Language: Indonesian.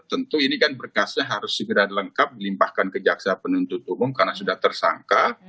tentu ini kan berkasnya harus segera lengkap dilimpahkan ke jaksa penuntut umum karena sudah tersangka